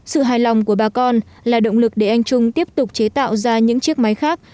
sự hài lòng của bà con là động lực để anh trung tiếp tục chế tạo ra những chiếc máy khác